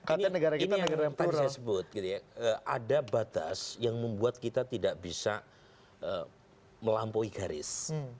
ini yang tadi saya sebut ada batas yang membuat kita tidak bisa melampaui garis